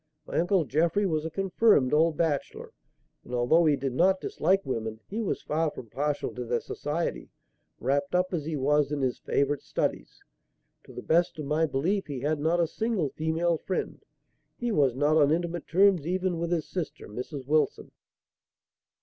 My uncle Jeffrey was a confirmed old bachelor, and, although he did not dislike women, he was far from partial to their society, wrapped up as he was in his favourite studies. To the best of my belief, he had not a single female friend. He was not on intimate terms even with his sister, Mrs. Wilson."